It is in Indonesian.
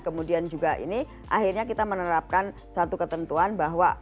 kemudian juga ini akhirnya kita menerapkan satu ketentuan bahwa